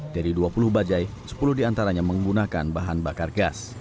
dari dua puluh bajai sepuluh diantaranya menggunakan bahan bakar gas